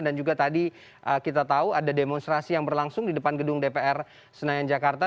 dan juga tadi kita tahu ada demonstrasi yang berlangsung di depan gedung dpr senayan jakarta